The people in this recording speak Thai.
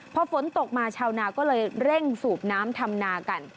พอฝนตกมาชาวนาก็เลยเร่งสูบน้ำทำนากัน